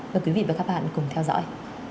và quý vị và các bạn cùng theo dõi